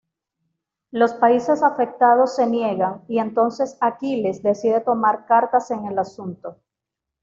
Los países afectados se niegan y entonces Aquiles decide tomar cartas en el asunto.